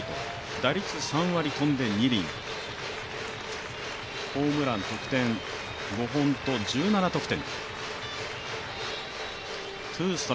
打率３割２厘、ホームラン、得点、５本と１７得点。